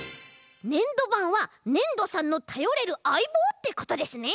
ねんどばんはねんどさんのたよれるあいぼうってことですね！